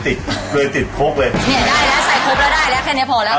เนี่ยได้แล้วใส่พกแล้วได้แล้วแค่เนี้ยพอแล้ว